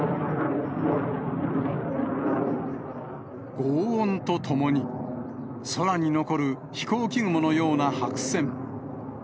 ごう音とともに、空に残る飛行機雲のような白線。